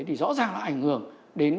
thì rõ ràng là ảnh hưởng đến